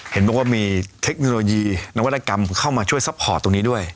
เห็นบอกว่ามีเทคโนโลยีนวัตกรรมเข้ามาช่วยซัพพอร์ตตรงนี้ด้วย